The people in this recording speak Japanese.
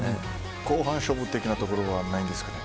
後半勝負的なところはないんですか。